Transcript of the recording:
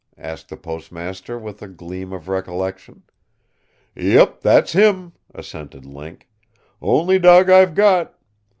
asked the postmaster, with a gleam of recollection. "Yep. That's him," assented Link. "Only dawg I've got.